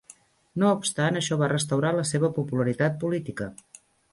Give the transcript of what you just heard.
No obstant, això va restaurar la seva popularitat política.